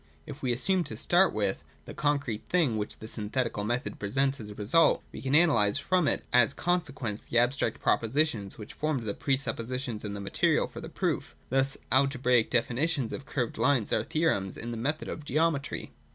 If we assume, to start with, the concrete thing which the synthetic method presents as a result, we can analyse from it as conse quences the abstract propositions which formed the pre suppositions and the material for the proof. Thus, alge braical definitions of curved lines are theorems in the method of geometry.